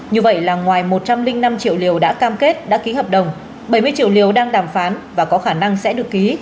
như vậy là ngoài một trăm linh năm triệu liều đã cam kết đã ký hợp đồng bảy mươi triệu liều đang đàm phán và có khả năng sẽ được ký